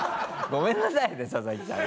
ごめんなさいねササキさん。